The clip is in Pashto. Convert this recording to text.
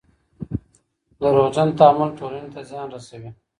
دروغجن تعامل ټولني ته زیان رسوي.